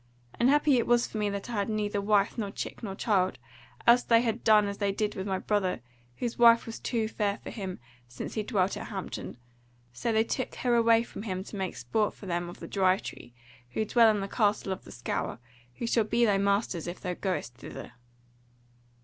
And happy it was for me that I had neither wife, nor chick, nor child, else had they done as they did with my brother, whose wife was too fair for him, since he dwelt at Hampton; so that they took her away from him to make sport for them of the Dry Tree, who dwell in the Castle of the Scaur, who shall be thy masters if thou goest thither.